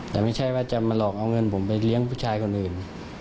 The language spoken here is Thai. แต่ไม่ใช่ว่าจะมาหลอกเอาเงินผมไปเลี้ยงผู้ชายคนอื่น